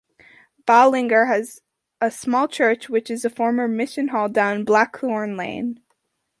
Ballinger has a small church which is a former Mission Hall, down Blackthorne Lane.